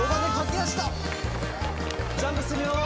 ジャンプするよ！